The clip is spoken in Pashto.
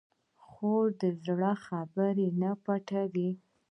خور د زړه خبرې نه پټوي.